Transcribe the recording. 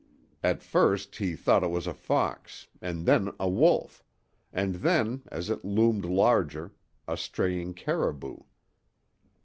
At first he thought it was a fox, and then a wolf, and then, as it loomed larger, a straying caribou.